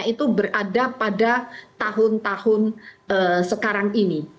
itu berada pada tahun tahun sekarang ini